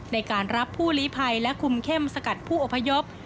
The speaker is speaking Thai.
ในการรับผู้ลีภัยและคุมเข้มสกัดผู้อพยพ